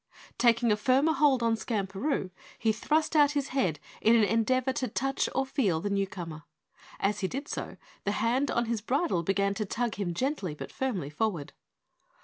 Taking a firmer hold on Skamperoo, he thrust out his head in an endeavor to touch or feel the newcomer. As he did so, the hand on his bridle began to tug him gently but firmly forward.